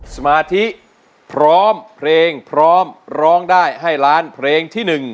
สมาธิพร้อมเพลงพร้อมร้องได้ให้ล้านเพลงที่๑